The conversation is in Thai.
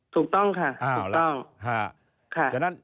ถูกต้องค่ะถูกต้องค่ะ